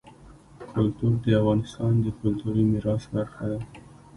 کلتور د افغانستان د کلتوري میراث برخه ده.